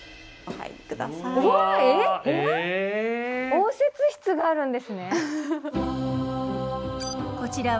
応接室があるんですね！